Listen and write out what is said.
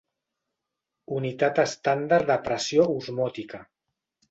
Unitat estàndard de pressió osmòtica.